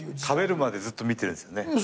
食べるまでずっと見てるんすよね。